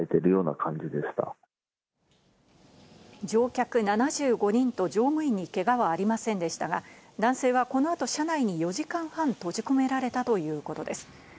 乗客７５人と乗務員にけがはありませんでしたが、男性はこの後、車内に４時間半閉じ込められたということです。